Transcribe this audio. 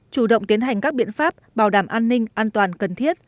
chủ động tiến hành các biện pháp bảo đảm an ninh an toàn cần thiết